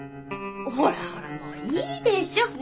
ほらほらもういいでしょ？